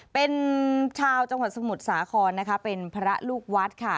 เป็นชาวจังหวัดสมุทรสาครนะคะเป็นพระลูกวัดค่ะ